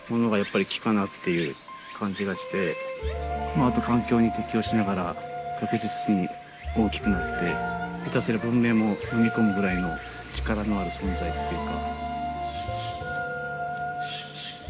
あと環境に適応しながら確実に大きくなって下手すりゃ文明ものみ込むぐらいの力のある存在っていうか。